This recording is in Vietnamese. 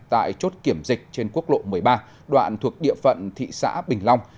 tại chốt kiểm dịch trên quốc lộ một mươi ba đoạn thuộc địa phận thị xã bình long